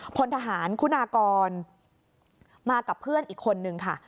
พลทหารคุณากรมากับเพื่อนอีกคนนึงค่ะ